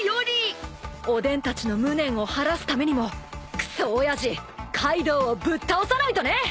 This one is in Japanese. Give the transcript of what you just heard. おでんたちの無念を晴らすためにもくそ親父カイドウをぶっ倒さないとね！